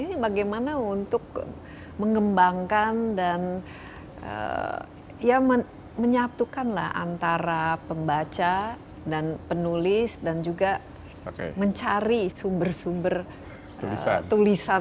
ini bagaimana untuk mengembangkan dan ya menyatukanlah antara pembaca dan penulis dan juga mencari sumber sumber tulisan